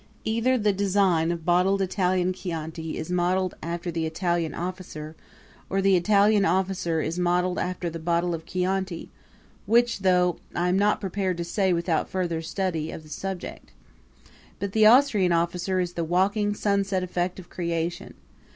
Either the design of bottled Italian chianti is modeled after the Italian officer or the Italian officer is modeled after the bottle of chianti which, though, I am not prepared to say without further study of the subject. But the Austrian officer is the walking sunset effect of creation.